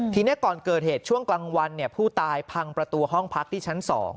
ทีนี้ก่อนเกิดเหตุช่วงกลางวันผู้ตายพังประตูห้องพักที่ชั้น๒